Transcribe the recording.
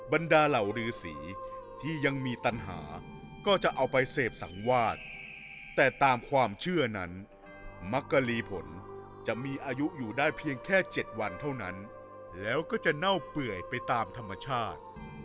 บรรดาเหล่ารือสีที่ยังมีปัญหาก็จะเอาไปเสพสังวาดแต่ตามความเชื่อนั้นมักกะลีผลจะมีอายุอยู่ได้เพียงแค่๗วันเท่านั้นแล้วก็จะเน่าเปื่อยไปตามธรรมชาติ